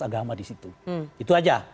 agama di situ itu aja